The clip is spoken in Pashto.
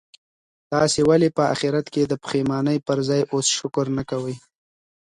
تاسي ولي په اخیرت کي د پښېمانۍ پر ځای اوس شکر نه کوئ؟